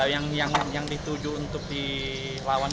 mercury ikni jepang bisa ditemukan di relief court